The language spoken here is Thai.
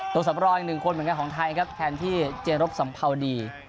สำรองอีกหนึ่งคนเหมือนกันของไทยครับแทนที่เจรบสัมภาวดี